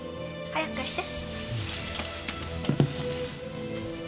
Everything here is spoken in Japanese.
早く貸して。